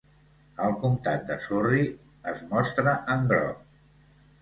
El comptat de Surrey es mostra en groc.